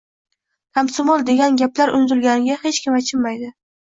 Komsomol degan gaplar unutilganiga hech kim achinmaydi